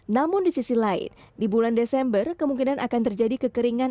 namun di sisi lain di bulan desember kemungkinan akan terjadi kekeringan